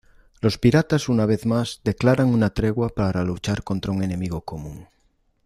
Los piratas una vez más declaran una tregua para luchar contra un enemigo común.